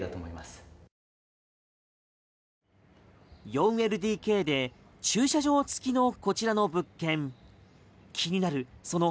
４ＬＤＫで駐車場付きのこちらの物件。